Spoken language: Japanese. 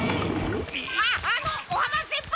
あっあの尾浜先輩